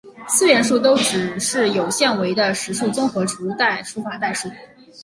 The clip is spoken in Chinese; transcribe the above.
四元数都只是有限维的实数结合除法代数。